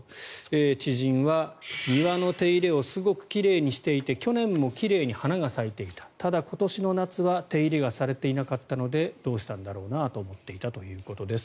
知人は庭の手入れをすごく奇麗にしていて去年も奇麗に花が咲いていたただ、今年の夏は手入れがされていなかったのでどうしたんだろうなと思っていたということです。